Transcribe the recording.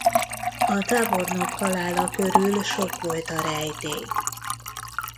A tábornok halála körül sok volt a rejtély.